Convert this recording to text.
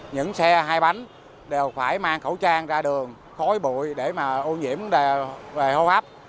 những xe hai bánh đều phải mang khẩu trang ra đường khói bụi để mà ô nhiễm về hô hấp